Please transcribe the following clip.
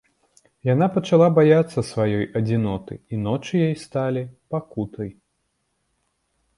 Яна пачала баяцца сваёй адзіноты, і ночы ёй сталі пакутай.